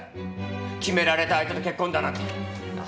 決められた相手と結婚だなんて！